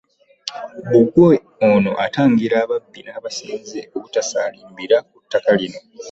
Bbugwe ono atangira ababbi n'abasenze obutasaalimbira ku ttaka lino